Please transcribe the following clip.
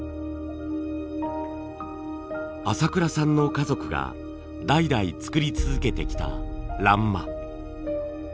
朝倉さんの家族が代々作り続けてきた欄間。